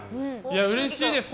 うれしいです！